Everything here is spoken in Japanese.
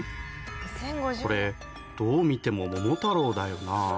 これどう見ても「桃太郎」だよな？